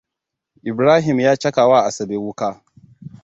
Ibrahim ya cakawa Asabe wuƙa.